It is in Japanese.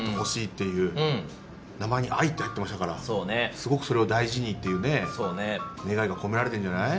すごくそれを大事にっていうね願いが込められてんじゃない？